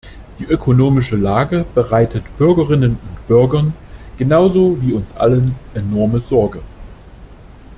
Die ökonomische Lage bereitet Bürgerinnen und Bürgern genauso wie uns allen enorme Sorge.